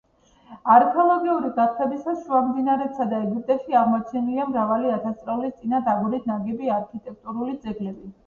არქეოლოგიური გათხრებისას შუამდინარეთსა და ეგვიპტეში აღმოჩენილია მრავალი ათასწლეულის წინათ აგურით ნაგები არქიტექტურული ძეგლები.